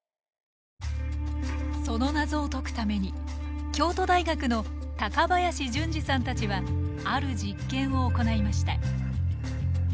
その謎を解くために京都大学の林純示さんたちはある実験を行いました。